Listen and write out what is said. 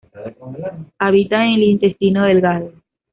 Habitan en el Intestino delgado.